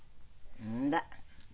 んだ。